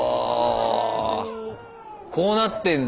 こうなってんだ。